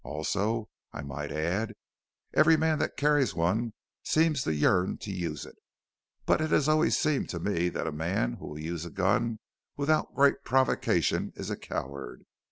Also, I might add, every man that carries one seems to yearn to use it. But it has always seemed to me that a man who will use a gun without great provocation is a coward!"